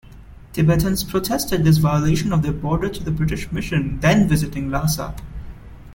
Tibetans protested this violation of their border to the British mission then visiting Lhasa.